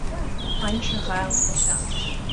Aimsir ghann í seo.